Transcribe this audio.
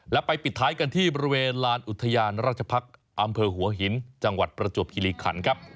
และไปปิดท้ายกันที่บริเวณลานอุทยานราชพักษ์อำเภอหัวหินจังหวัดประจวบคิริขันครับ